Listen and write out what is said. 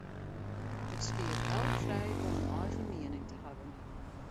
It stiet elk frij om in eigen miening te hawwen.